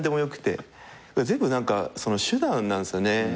全部何か手段なんすよね。